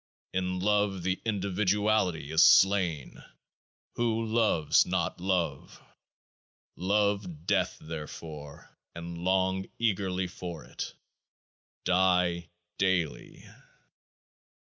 In love the individuality is slain ; who loves not love? Love death therefore, and long eagerly for it. Die Daily.